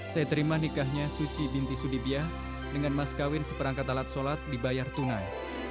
saya terima nikahnya suci binti sudibya dengan mas kawin seperangkat alat sholat dibayar tunai